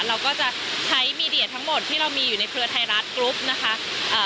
เราก็จะใช้มีเดียทั้งหมดที่เรามีอยู่ในเครือไทยรัฐกรุ๊ปนะคะเอ่อ